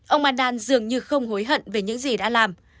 ông mandan dường như không hối hận về những gì đã làm